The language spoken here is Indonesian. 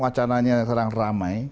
wacananya sedang ramai